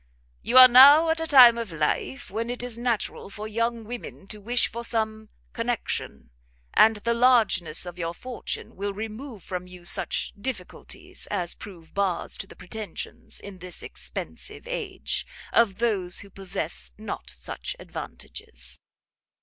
"You are now at a time of life when it is natural for young women to wish for some connection: and the largeness of your fortune will remove from you such difficulties as prove bars to the pretensions, in this expensive age, of those who possess not such advantages.